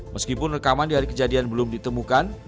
meskipun rekaman dari kejadian belum ditemukan